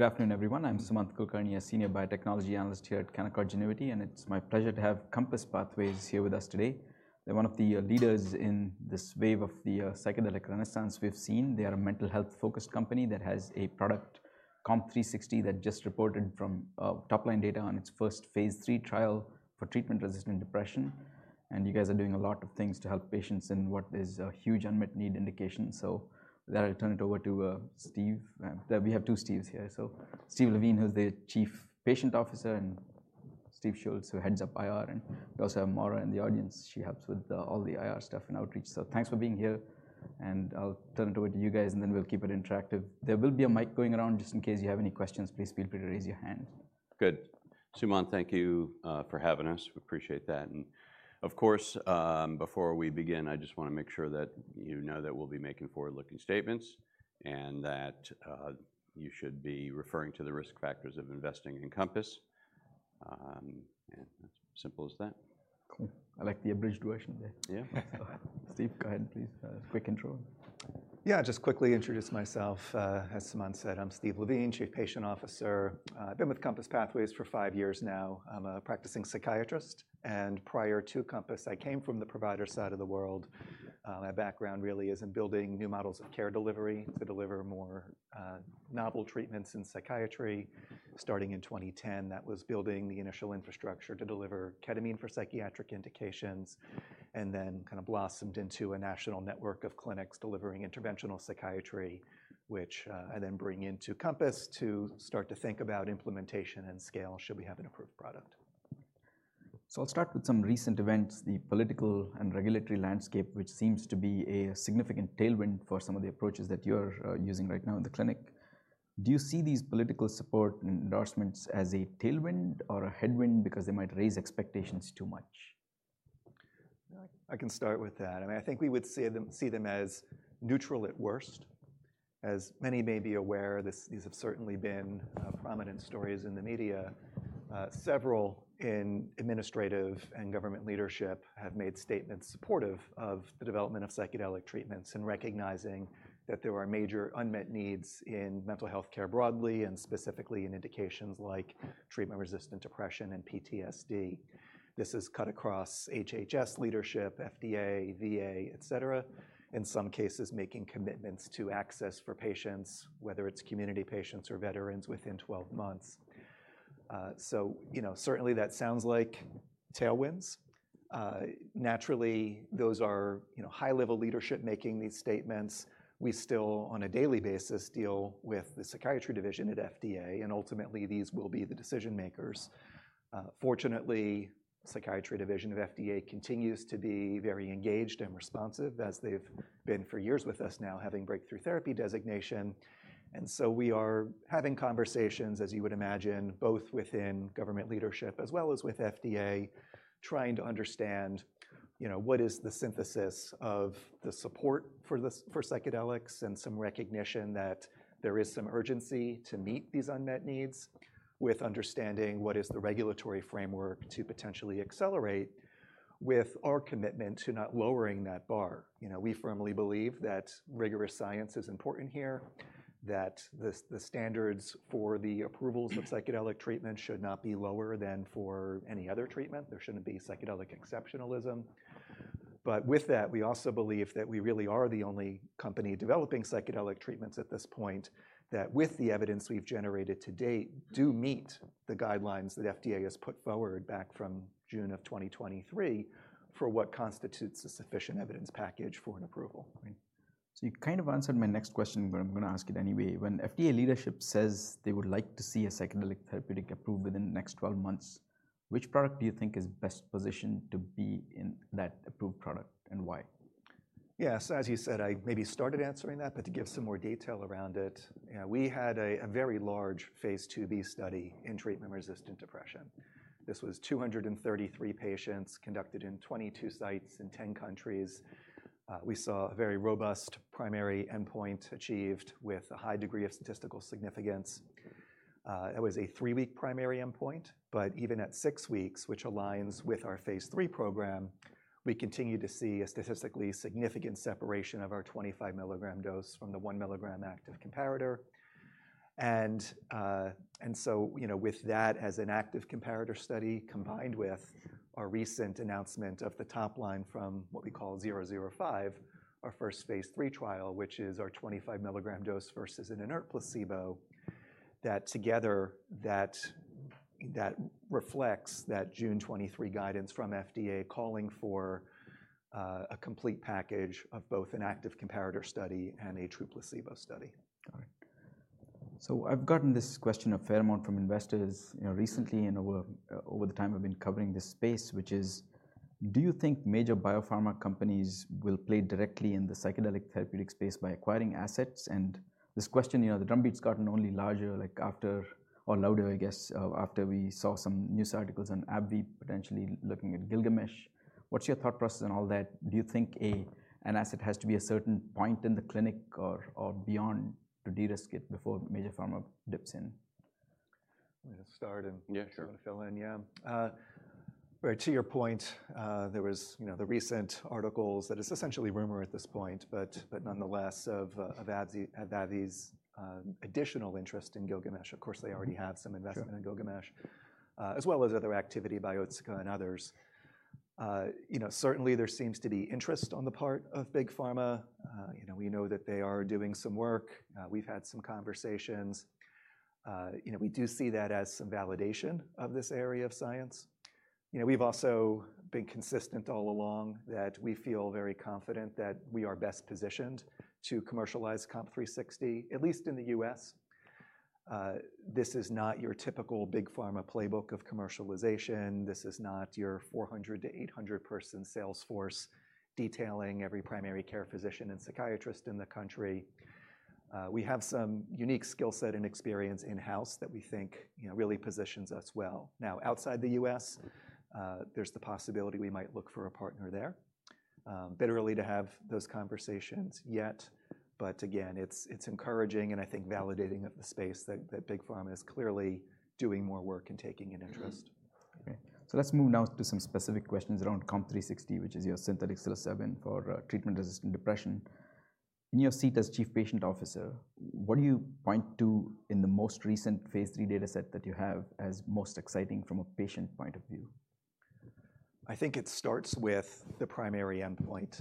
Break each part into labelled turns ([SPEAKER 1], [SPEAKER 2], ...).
[SPEAKER 1] Good afternoon, everyone. I'm Sumant Kulkarni, Senior Biotechnology Analyst here at Canaccord Genuity, and it's my pleasure to have COMPASS Pathways here with us today. They're one of the leaders in this wave of the psychedelic renaissance we've seen. They are a mental health-focused company that has a product, COMP360, that just reported from top-line data on its first phase II trial for treatment-resistant depression. You guys are doing a lot of things to help patients in what is a huge unmet need indication. I'll turn it over to Steve. We have two Steves here: Steve Levine, who's the Chief Patient Officer, and Steve Schultz, who heads up IR. We also have Maura in the audience. She helps with all the IR stuff and outreach. Thanks for being here. I'll turn it over to you guys, and then we'll keep it interactive. There will be a mic going around in case you have any questions. Please feel free to raise your hand.
[SPEAKER 2] Good. Sumant, thank you for having us. We appreciate that. Before we begin, I just want to make sure that you know that we'll be making forward-looking statements and that you should be referring to the risk factors of investing in COMPASS. As simple as that.
[SPEAKER 1] Cool. I like the abridged version there.
[SPEAKER 2] Yeah.
[SPEAKER 1] Steve, go ahead, please. Quick intro.
[SPEAKER 3] Yeah, just quickly introduce myself. As Sumant said, I'm Steve Levine, Chief Patient Officer. I've been with COMPASS Pathways for five years now. I'm a practicing psychiatrist. Prior to COMPASS, I came from the provider side of the world. My background really is in building new models of care delivery to deliver more novel treatments in psychiatry, starting in 2010. That was building the initial infrastructure to deliver ketamine for psychiatric indications, and then kind of blossomed into a national network of clinics delivering interventional psychiatry, which I then bring into COMPASS to start to think about implementation and scale should we have an approved product.
[SPEAKER 1] I'll start with some recent events, the political and regulatory landscape, which seems to be a significant tailwind for some of the approaches that you're using right now in the clinic. Do you see these political support endorsements as a tailwind or a headwind because they might raise expectations too much?
[SPEAKER 3] I can start with that. I mean, I think we would see them as neutral at worst. As many may be aware, these have certainly been prominent stories in the media. Several in administrative and government leadership have made statements supportive of the development of psychedelic treatments and recognizing that there are major unmet needs in mental health care broadly and specifically in indications like treatment-resistant depression and PTSD. This has cut across HHS leadership, FDA, VA, etc., in some cases making commitments to access for patients, whether it's community patients or veterans, within 12 months. That sounds like tailwinds. Naturally, those are high-level leadership making these statements. We still, on a daily basis, deal with the Psychiatry Division at FDA. Ultimately, these will be the decision makers. Fortunately, the Psychiatry Division of FDA continues to be very engaged and responsive, as they've been for years with us now, having breakthrough therapy designation. We are having conversations, as you would imagine, both within government leadership as well as with FDA, trying to understand what is the synthesis of the support for psychedelics and some recognition that there is some urgency to meet these unmet needs with understanding what is the regulatory framework to potentially accelerate with our commitment to not lowering that bar. We firmly believe that rigorous science is important here, that the standards for the approvals of psychedelic treatments should not be lower than for any other treatment. There shouldn't be psychedelic exceptionalism. With that, we also believe that we really are the only company developing psychedelic treatments at this point that, with the evidence we've generated to date, do meet the guidelines that FDA has put forward back from June of 2023 for what constitutes a sufficient evidence package for an approval.
[SPEAKER 1] You kind of answered my next question, but I'm going to ask it anyway. When FDA leadership says they would like to see a psychedelic therapeutic approved within the next 12 months, which product do you think is best positioned to be in that approved product and why?
[SPEAKER 3] Yeah, as you said, I maybe started answering that, but to give some more detail around it, we had a very large phase II-B study in treatment-resistant depression. This was 233 patients conducted in 22 sites in 10 countries. We saw a very robust primary endpoint achieved with a high degree of statistical significance. It was a three-week primary endpoint, but even at six weeks, which aligns with our phase III program, we continue to see a statistically significant separation of our 25 mg dose from the 1 mg active comparator. With that as an active comparator study, combined with our recent announcement of the top line from what we call COMP005, our first phase III trial, which is our 25 mg dose versus an inert placebo, that together reflects that June 2023 guidance from the FDA calling for a complete package of both an active comparator study and a true placebo study.
[SPEAKER 1] I've gotten this question a fair amount from investors recently and over the time I've been covering this space, which is, do you think major biopharma companies will play directly in the psychedelic therapeutic space by acquiring assets? This question, the drumbeat's gotten only larger, like after or louder, I guess, after we saw some news articles on AbbVie potentially looking at Gilgamesh. What's your thought process on all that? Do you think an asset has to be a certain point in the clinic or beyond to de-risk it before major pharma dips in?
[SPEAKER 3] I'm going to start and fill in. Right, to your point, there were the recent articles that it's essentially rumor at this point, but nonetheless, of AbbVie's additional interest in Gilgamesh. Of course, they already have some investment in Gilgamesh, as well as other activity, Biotica and others. Certainly, there seems to be interest on the part of big pharma. We know that they are doing some work. We've had some conversations. We do see that as a validation of this area of science. We've also been consistent all along that we feel very confident that we are best positioned to commercialize COMP360, at least in the U.S. This is not your typical big pharma playbook of commercialization. This is not your 400- to 800-person salesforce detailing every primary care physician and psychiatrist in the country. We have some unique skill set and experience in-house that we think really positions us well. Now, outside the U.S., there's the possibility we might look for a partner there. Bit early to have those conversations yet, but again, it's encouraging and I think validating of the space that big pharma is clearly doing more work and taking an interest.
[SPEAKER 1] Let's move now to some specific questions around COMP360, which is your synthetic psilocybin for treatment-resistant depression. In your seat as Chief Patient Officer, what do you point to in the most recent phase III data set that you have as most exciting from a patient point of view?
[SPEAKER 3] I think it starts with the primary endpoint.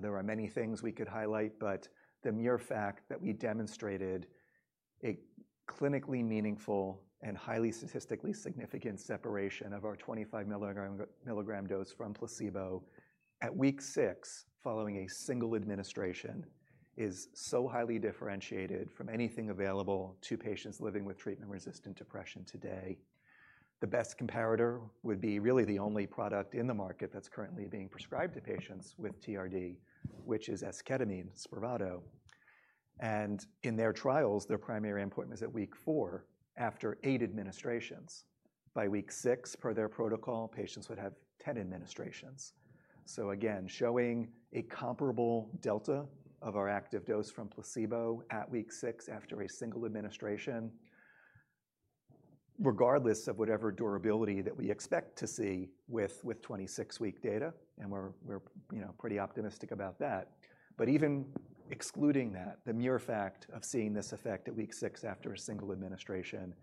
[SPEAKER 3] There are many things we could highlight, but the mere fact that we demonstrated a clinically meaningful and highly statistically significant separation of our 25 mg dose from placebo at week six following a single administration is so highly differentiated from anything available to patients living with treatment-resistant depression today. The best comparator would be really the only product in the market that's currently being prescribed to patients with TRD, which is esketamine, SPRAVATO. In their trials, their primary endpoint was at week four after eight administrations. By week six, per their protocol, patients would have 10 administrations. Again, showing a comparable delta of our active dose from placebo at week six after a single administration, regardless of whatever durability that we expect to see with 26-week data, and we're pretty optimistic about that. Even excluding that, the mere fact of seeing this effect at week six after a single administration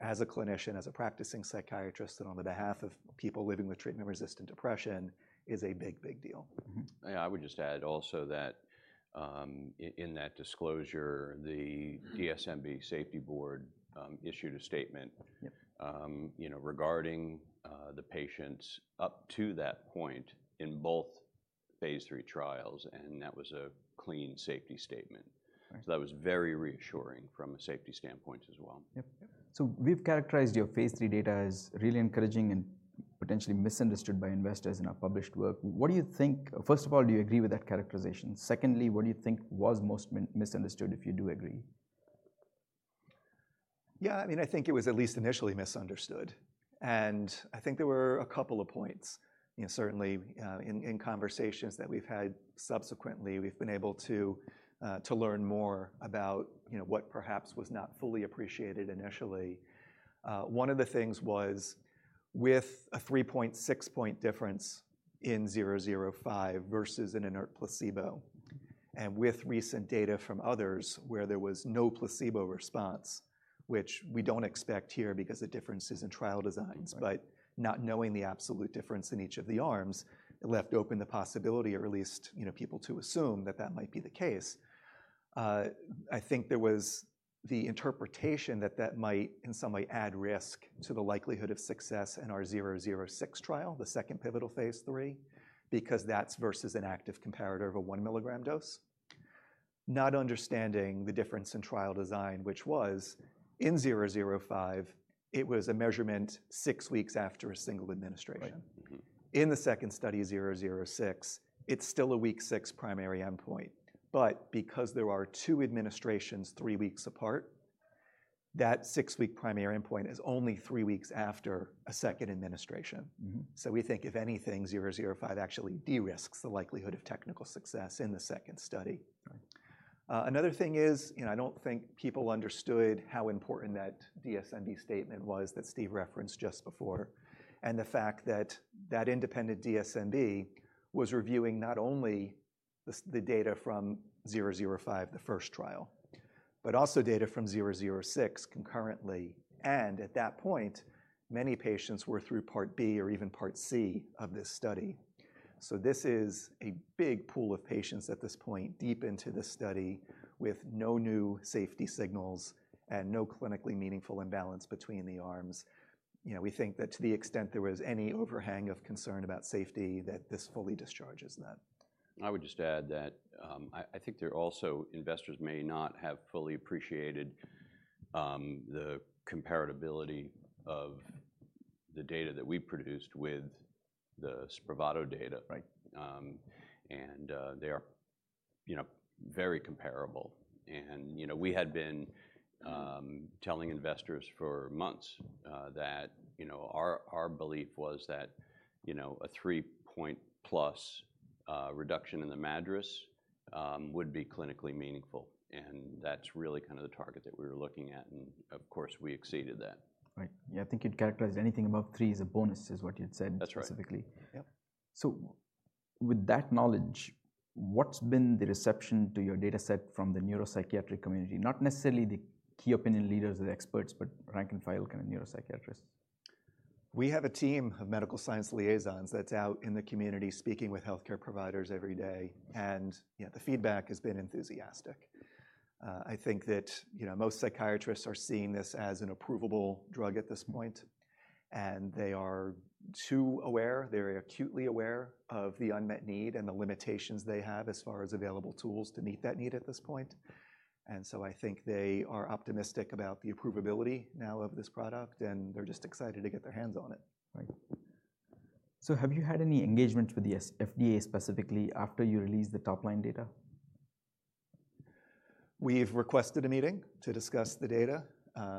[SPEAKER 3] as a clinician, as a practicing psychiatrist, and on the behalf of people living with treatment-resistant depression is a big, big deal.
[SPEAKER 2] Yeah, I would just add also that in that disclosure, the DSMB Safety Board issued a statement regarding the patients up to that point in both phase III trials, and that was a clean safety statement. That was very reassuring from a safety standpoint as well.
[SPEAKER 1] We've characterized your phase II data as really encouraging and potentially misunderstood by investors in our published work. Do you think, first of all, do you agree with that characterization? Secondly, what do you think was most misunderstood, if you do agree?
[SPEAKER 3] Yeah, I mean, I think it was at least initially misunderstood. I think there were a couple of points. Certainly, in conversations that we've had subsequently, we've been able to learn more about what perhaps was not fully appreciated initially. One of the things was with a 3.6 difference in COMP005 versus an inert placebo. With recent data from others where there was no placebo response, which we don't expect here because of differences in trial designs, but not knowing the absolute difference in each of the arms, it left open the possibility or at least people to assume that that might be the case. I think there was the interpretation that that might, in some way, add risk to the likelihood of success in our COMP006 trial, the second pivotal phase III, because that's versus an active comparator of a 1 mg dose. Not understanding the difference in trial design, which was in COMP005, it was a measurement six weeks after a single administration. In the second study, COMP006, it's still a week six primary endpoint, but because there are two administrations three weeks apart, that six-week primary endpoint is only three weeks after a second administration. We think, if anything, COMP005 actually de-risks the likelihood of technical success in the second study. Another thing is, I don't think people understood how important that DSMB statement was that Steve referenced just before. The fact that that independent DSMB was reviewing not only the data from COMP005, the first trial, but also data from COMP006 concurrently. At that point, many patients were through part B or even part C of this study. This is a big pool of patients at this point deep into the study with no new safety signals and no clinically meaningful imbalance between the arms. We think that to the extent there was any overhang of concern about safety, that this fully discharges that.
[SPEAKER 2] I would just add that I think there are also investors who may not have fully appreciated the comparability of the data that we produced with the SPRAVATO data. They are very comparable. We had been telling investors for months that our belief was that a 3-point-plus reduction in the MADRS would be clinically meaningful. That is really kind of the target that we were looking at. Of course, we exceeded that.
[SPEAKER 1] Right. Yeah, I think you'd characterize anything above three as a bonus, is what you'd said specifically.
[SPEAKER 2] That's right.
[SPEAKER 1] With that knowledge, what's been the reception to your data set from the neuropsychiatric community? Not necessarily the key opinion leaders or the experts, but rank and file kind of neuropsychiatrists.
[SPEAKER 3] We have a team of medical science liaisons that's out in the community speaking with healthcare providers every day. The feedback has been enthusiastic. I think that most psychiatrists are seeing this as an approvable drug at this point. They are too aware, very acutely aware of the unmet need and the limitations they have as far as available tools to meet that need at this point. I think they are optimistic about the approvability now of this product, and they're just excited to get their hands on it.
[SPEAKER 1] Have you had any engagement with the FDA specifically after you released the top-line data?
[SPEAKER 3] We've requested a meeting to discuss the data.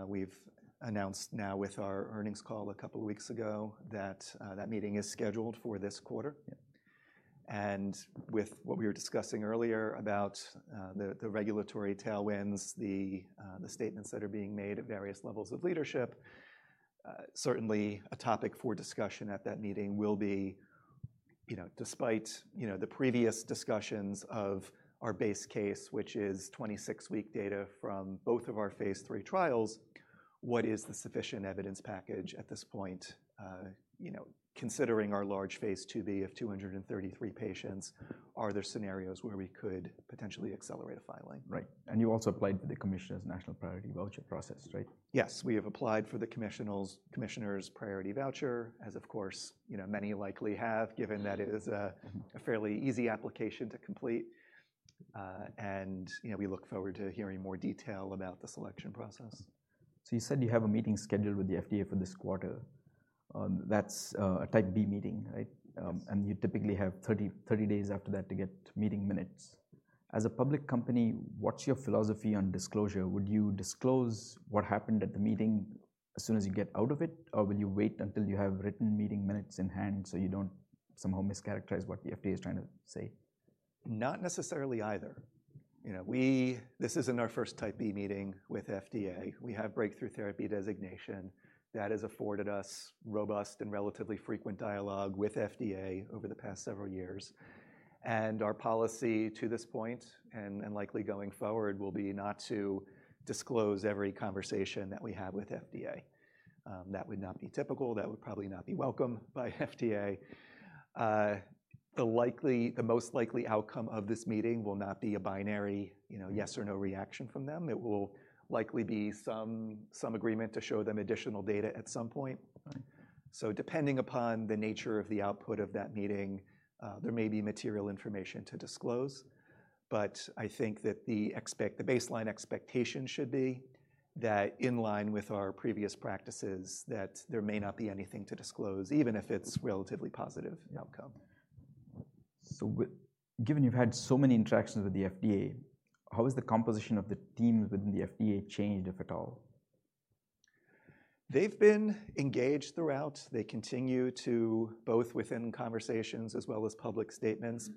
[SPEAKER 3] We've announced now with our earnings call a couple of weeks ago that that meeting is scheduled for this quarter. With what we were discussing earlier about the regulatory tailwinds, the statements that are being made at various levels of leadership, certainly a topic for discussion at that meeting will be, despite the previous discussions of our base case, which is 26-week data from both of our phase III trials, what is the sufficient evidence package at this point? Considering our large phase II-B of 233 patients, are there scenarios where we could potentially accelerate a filing?
[SPEAKER 1] Right. You also applied for the Commissioner's National Priority Voucher process, right?
[SPEAKER 3] Yes, we have applied for the Commissioner's Priority Voucher, as of course, many likely have, given that it is a fairly easy application to complete. We look forward to hearing more detail about the selection process.
[SPEAKER 1] You said you have a meeting scheduled with the FDA for this quarter. That's a Type B meeting, right? You typically have 30 days after that to get meeting minutes. As a public company, what's your philosophy on disclosure? Would you disclose what happened at the meeting as soon as you get out of it, or will you wait until you have written meeting minutes in hand so you don't somehow mischaracterize what the FDA is trying to say?
[SPEAKER 3] Not necessarily either. This isn't our first Type B meeting with the FDA. We have breakthrough therapy designation that has afforded us robust and relatively frequent dialogue with the FDA over the past several years. Our policy to this point and likely going forward will be not to disclose every conversation that we have with the FDA. That would not be typical. That would probably not be welcome by the FDA. The most likely outcome of this meeting will not be a binary yes or no reaction from them. It will likely be some agreement to show them additional data at some point. Depending upon the nature of the output of that meeting, there may be material information to disclose. I think that the baseline expectation should be that in line with our previous practices, there may not be anything to disclose, even if it's a relatively positive outcome.
[SPEAKER 1] Given you've had so many interactions with the FDA, how has the composition of the team within the FDA changed, if at all?
[SPEAKER 3] They've been engaged throughout. They continue to, both within conversations as well as public statements,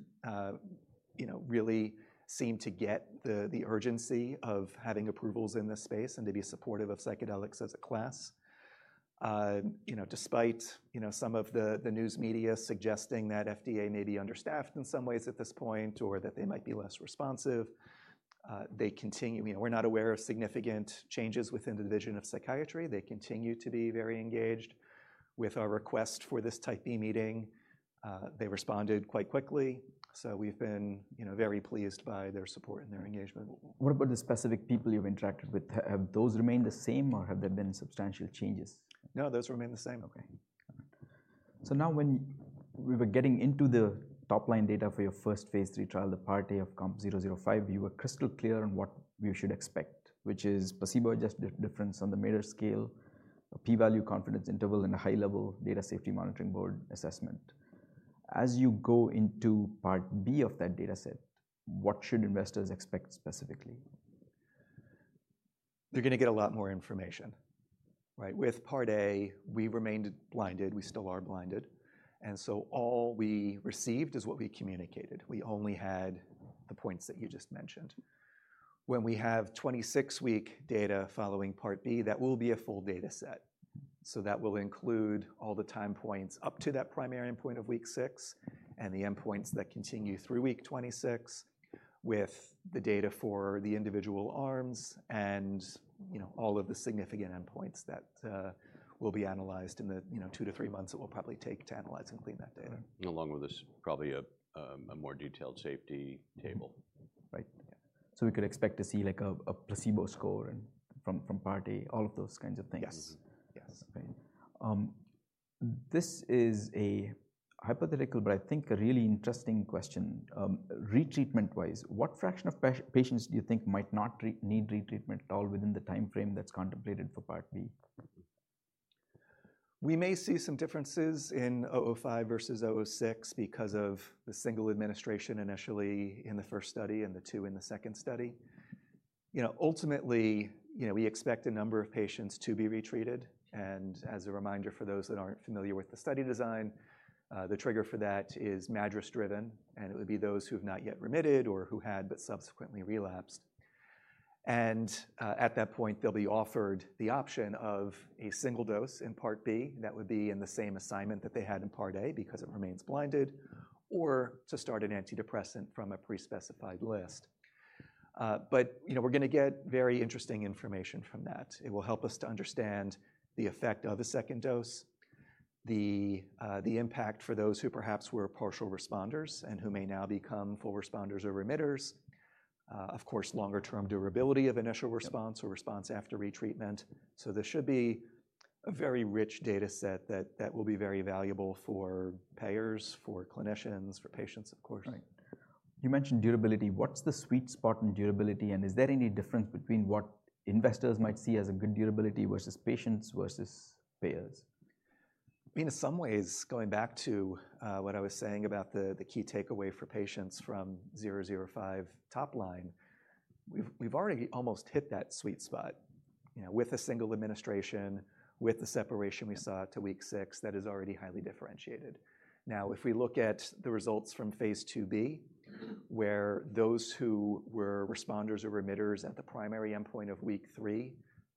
[SPEAKER 3] really seem to get the urgency of having approvals in the space and to be supportive of psychedelics as a class. Despite some of the news media suggesting that the FDA may be understaffed in some ways at this point or that they might be less responsive, we're not aware of significant changes within the division of psychiatry. They continue to be very engaged with our request for this Type B meeting. They responded quite quickly. We've been very pleased by their support and their engagement.
[SPEAKER 1] What about the specific people you've interacted with? Have those remained the same, or have there been substantial changes?
[SPEAKER 3] No, those remain the same.
[SPEAKER 1] OK. Now when we were getting into the top-line data for your first phase III trial, the part A of COMP005, you were crystal clear on what you should expect, which is placebo adjustment difference on the Mayer scale, P-value, confidence interval, and a high-level Data Safety Monitoring Board assessment. As you go into part B of that data set, what should investors expect specifically?
[SPEAKER 3] They're going to get a lot more information. With part A, we remained blinded. We still are blinded. All we received is what we communicated. We only had the points that you just mentioned. When we have 26-week data following part B, that will be a full data set. That will include all the time points up to that primary endpoint of week six and the endpoints that continue through week 26 with the data for the individual arms and all of the significant endpoints that will be analyzed in the two to three months it will probably take to analyze and clean that data.
[SPEAKER 2] Along with this, probably a more detailed safety table.
[SPEAKER 1] Right. We could expect to see like a placebo score from part A, all of those kinds of things?
[SPEAKER 3] Yes.
[SPEAKER 1] OK. This is a hypothetical, but I think a really interesting question. Retreatment-wise, what fraction of patients do you think might not need retreatment at all within the time frame that's contemplated for part B?
[SPEAKER 3] We may see some differences in COMP005 versus COMP006 because of the single administration initially in the first study and the two in the second study. Ultimately, we expect a number of patients to be retreated. As a reminder for those that aren't familiar with the study design, the trigger for that is MADRS driven. It would be those who have not yet remitted or who had but subsequently relapsed. At that point, they'll be offered the option of a single dose in part B. That would be in the same assignment that they had in part A because it remains blinded, or to start an antidepressant from a pre-specified list. We are going to get very interesting information from that. It will help us to understand the effect of a second dose, the impact for those who perhaps were partial responders and who may now become full responders or remitters, and of course, longer-term durability of initial response or response after retreatment. This should be a very rich data set that will be very valuable for payers, for clinicians, for patients, of course.
[SPEAKER 1] Right. You mentioned durability. What's the sweet spot in durability? Is there any difference between what investors might see as a good durability versus patients versus payers?
[SPEAKER 3] In some ways, going back to what I was saying about the key takeaway for patients from COMP005 top line, we've already almost hit that sweet spot with a single administration, with the separation we saw to week six that is already highly differentiated. Now, if we look at the results from phase II-B, where those who were responders or remitters at the primary endpoint of week three,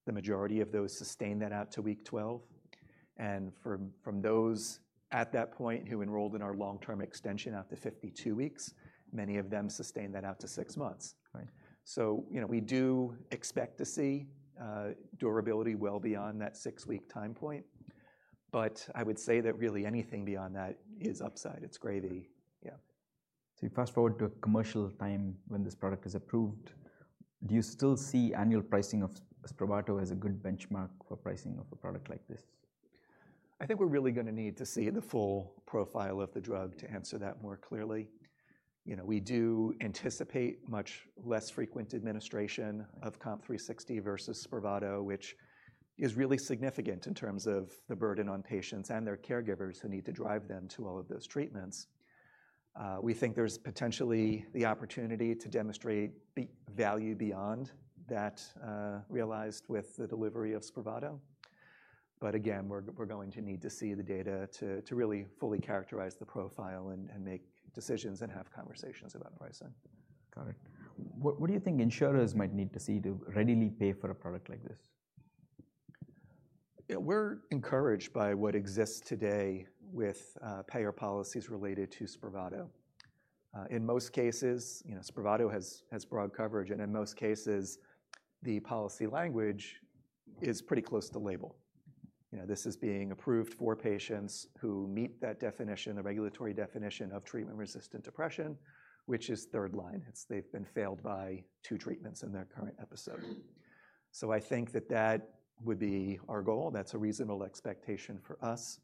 [SPEAKER 3] the majority of those sustained that out to week 12. From those at that point who enrolled in our long-term extension out to 52 weeks, many of them sustained that out to six months. We do expect to see durability well beyond that six-week time point. I would say that really anything beyond that is upside. It's gravy.
[SPEAKER 1] When you fast forward to a commercial time when this product is approved, do you still see annual pricing of SPRAVATO as a good benchmark for pricing of a product like this?
[SPEAKER 3] I think we're really going to need to see the full profile of the drug to answer that more clearly. We do anticipate much less frequent administration of COMP360 versus SPRAVATO, which is really significant in terms of the burden on patients and their caregivers who need to drive them to all of those treatments. We think there's potentially the opportunity to demonstrate value beyond that realized with the delivery of SPRAVATO. Again, we're going to need to see the data to really fully characterize the profile and make decisions and have conversations about pricing.
[SPEAKER 1] Got it. What do you think insurers might need to see to readily pay for a product like this?
[SPEAKER 3] We're encouraged by what exists today with payer policies related to SPRAVATO. In most cases, SPRAVATO has broad coverage, and in most cases, the policy language is pretty close to label. This is being approved for patients who meet that definition, the regulatory definition of treatment-resistant depression, which is third line. They've been failed by two treatments in their current episode. I think that that would be our goal. That's a reasonable expectation for us.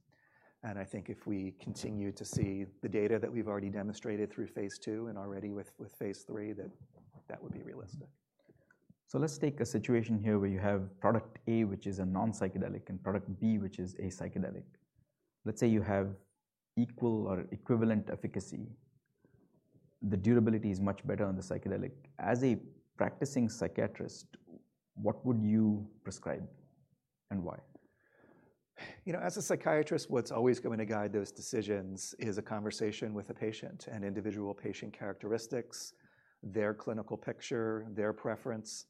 [SPEAKER 3] I think if we continue to see the data that we've already demonstrated through phase II and already with phase III, that that would be realistic.
[SPEAKER 1] Let's take a situation here where you have product A, which is a non-psychedelic, and product B, which is a psychedelic. Let's say you have equal or equivalent efficacy. The durability is much better on the psychedelic. As a practicing psychiatrist, what would you prescribe and why?
[SPEAKER 3] As a psychiatrist, what's always going to guide those decisions is a conversation with a patient and individual patient characteristics, their clinical picture, their preference.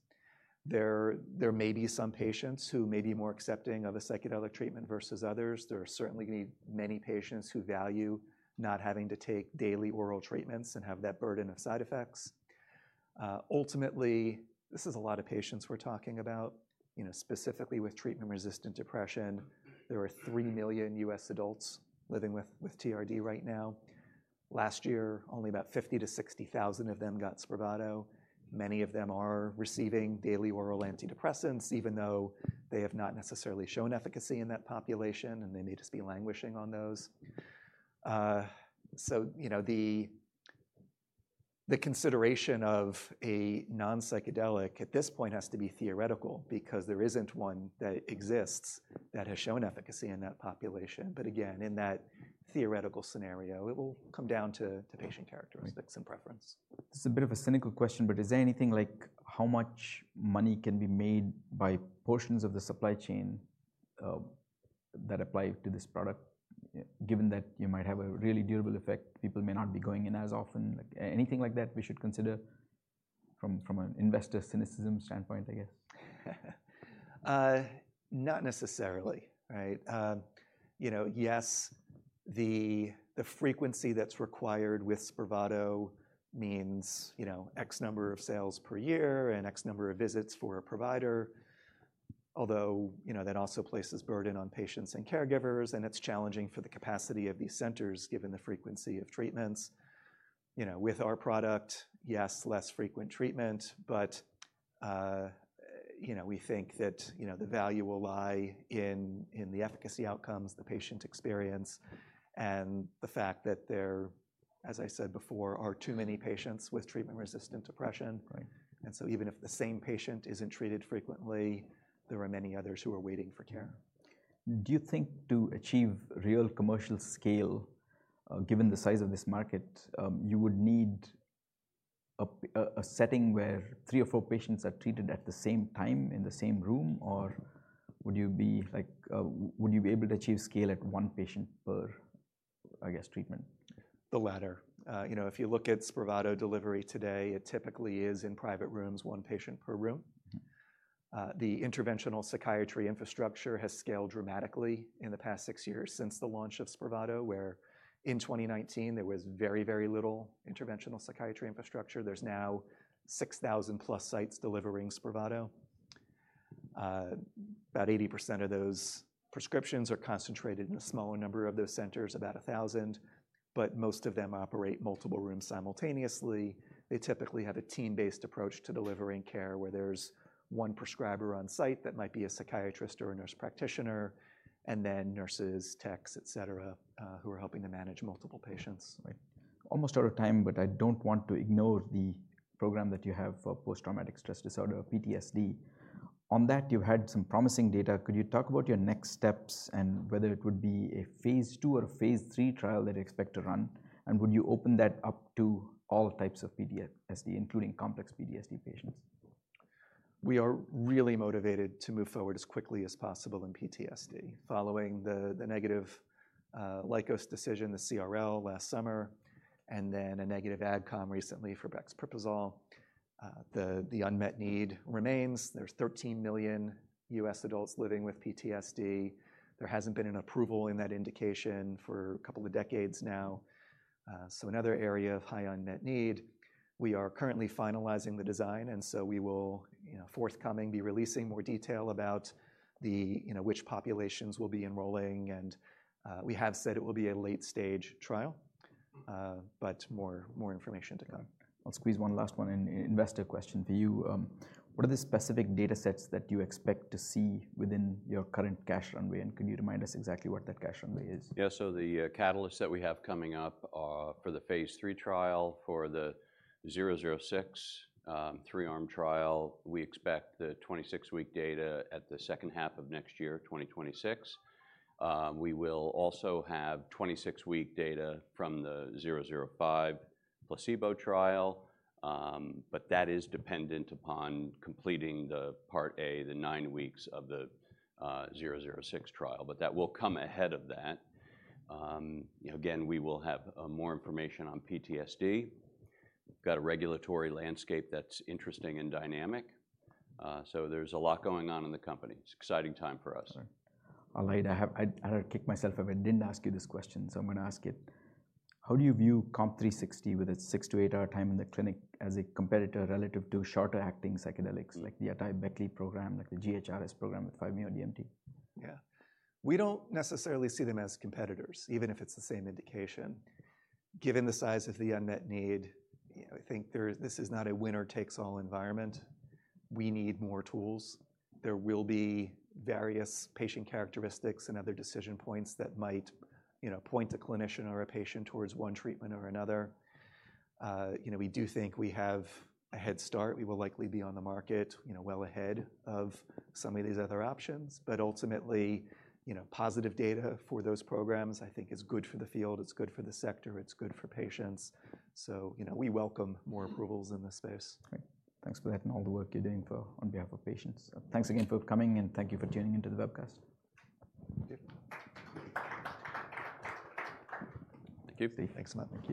[SPEAKER 3] There may be some patients who may be more accepting of a psychedelic treatment versus others. There are certainly many patients who value not having to take daily oral treatments and have that burden of side effects. Ultimately, this is a lot of patients we're talking about. Specifically with treatment-resistant depression, there are 3 million U.S. adults living with TRD right now. Last year, only about 50,000-60,000 of them got SPRAVATO. Many of them are receiving daily oral antidepressants, even though they have not necessarily shown efficacy in that population. They may just be languishing on those. The consideration of a non-psychedelic at this point has to be theoretical because there isn't one that exists that has shown efficacy in that population. Again, in that theoretical scenario, it will come down to patient characteristics and preference.
[SPEAKER 1] It's a bit of a cynical question, but is there anything like how much money can be made by portions of the supply chain that apply to this product, given that you might have a really durable effect? People may not be going in as often. Anything like that we should consider from an investor cynicism standpoint, I guess?
[SPEAKER 3] Not necessarily. Right? Yes, the frequency that's required with SPRAVATO means X number of sales per year and X number of visits for a provider, although that also places burden on patients and caregivers. It is challenging for the capacity of these centers, given the frequency of treatments. With our product, yes, less frequent treatment. We think that the value will lie in the efficacy outcomes, the patient experience, and the fact that there, as I said before, are too many patients with treatment-resistant depression. Even if the same patient isn't treated frequently, there are many others who are waiting for care.
[SPEAKER 1] Do you think to achieve real commercial scale, given the size of this market, you would need a setting where three or four patients are treated at the same time in the same room? Or would you be able to achieve scale at one patient per, I guess, treatment?
[SPEAKER 3] The latter. If you look at SPRAVATO delivery today, it typically is in private rooms, one patient per room. The interventional psychiatry infrastructure has scaled dramatically in the past six years since the launch of SPRAVATO, where in 2019, there was very, very little interventional psychiatry infrastructure. There are now 6,000+sites delivering SPRAVATO. About 80% of those prescriptions are concentrated in a small number of those centers, about 1,000. Most of them operate multiple rooms simultaneously. They typically have a team-based approach to delivering care, where there's one prescriber on site that might be a psychiatrist or a nurse practitioner, and then nurses, techs, et cetera, who are helping to manage multiple patients.
[SPEAKER 1] Almost out of time, but I don't want to ignore the program that you have for post-traumatic stress disorder, PTSD. On that, you had some promising data. Could you talk about your next steps and whether it would be a phase II or a phase III trial that you expect to run? Would you open that up to all types of PTSD, including complex PTSD patients?
[SPEAKER 3] We are really motivated to move forward as quickly as possible in PTSD following the negative Lykos decision, the CRL last summer, and then a negative AdCom recently for bexpripazole. The unmet need remains. There's 13 million U.S. adults living with PTSD. There hasn't been an approval in that indication for a couple of decades now, another area of high unmet need. We are currently finalizing the design, and we will, forthcoming, be releasing more detail about which populations we'll be enrolling. We have said it will be a late-stage trial, but more information to come.
[SPEAKER 1] I'll squeeze one last one in. Investor question for you. What are the specific data sets that you expect to see within your current cash runway, and could you remind us exactly what that cash runway is?
[SPEAKER 2] Yeah, so the catalysts that we have coming up are for the phase III trial, for the COMP006 three-arm trial. We expect the 26-week data in the second half of next year, 2026. We will also have 26-week data from the COMP005 placebo trial. That is dependent upon completing part A, the nine weeks of the COMP006 trial. That will come ahead of that. We will have more information on PTSD. We've got a regulatory landscape that's interesting and dynamic. There's a lot going on in the company. It's an exciting time for us.
[SPEAKER 1] I'll lay it out. I had to kick myself. I didn't ask you this question. I'm going to ask it. How do you view COMP360 with its six- to eight-hour time in the clinic as a competitor relative to shorter-acting psychedelics, like the atai-Beckley program, like the GHRS program with 5-MeO-DMT?
[SPEAKER 3] Yeah, we don't necessarily see them as competitors, even if it's the same indication. Given the size of the unmet need, I think this is not a winner-takes-all environment. We need more tools. There will be various patient characteristics and other decision points that might point a clinician or a patient towards one treatment or another. We do think we have a head start. We will likely be on the market well ahead of some of these other options. Ultimately, positive data for those programs, I think, is good for the field. It's good for the sector. It's good for patients. We welcome more approvals in this space.
[SPEAKER 1] Thanks for that and all the work you're doing on behalf of patients. Thanks again for coming, and thank you for tuning into the webcast.
[SPEAKER 2] Thank you.
[SPEAKER 3] Thanks so much.